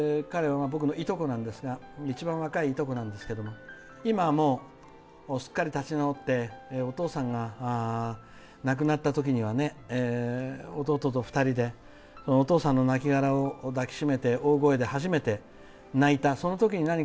彼は、僕の一番若い、いとこなんですけども今はもうすっかり立ち直ってお父さんが亡くなったときには弟と２人でお父さんのなきがらを抱きしめて大声で初めて泣いた。